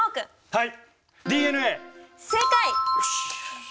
はい。